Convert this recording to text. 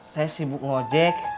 saya sibuk ngejek